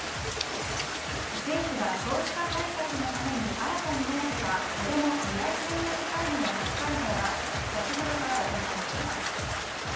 政府が少子化対策のために新たに設けたこども未来戦略会議の初会合が先ほどから行われています。